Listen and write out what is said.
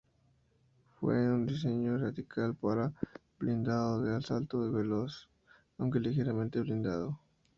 Fue un diseño radical para un blindado de asalto veloz, aunque ligeramente blindado.